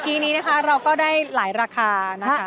ทีนี้นะคะเราก็ได้หลายราคานะคะ